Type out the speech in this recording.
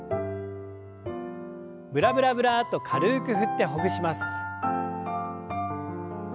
ブラブラブラッと軽く振ってほぐします。